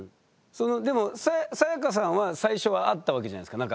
でもサヤカさんは最初はあったわけじゃないですか。